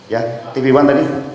ya tpi satu tadi